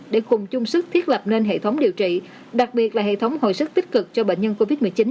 để cùng chung sức thiết lập nên hệ thống điều trị đặc biệt là hệ thống hồi sức tích cực cho bệnh nhân covid một mươi chín